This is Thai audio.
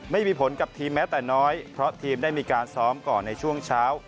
ไม่มีผลกับทีมแม้แต่น้อยเพราะทีมได้มีการซ้อมก่อนในช่วงเช้า